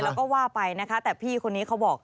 แล้วก็ว่าไปนะคะแต่พี่คนนี้เขาบอก